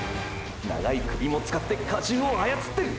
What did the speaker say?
長い首も使って荷重を操ってる！！